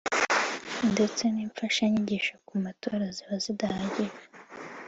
ndetse n’imfashanyigisho ku matora ziba zidahagije